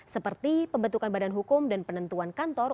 seperti pembentukan badan hukum dan penentuan kantor